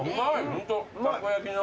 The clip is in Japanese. ホントたこ焼きの。